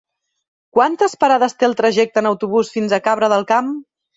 Quantes parades té el trajecte en autobús fins a Cabra del Camp?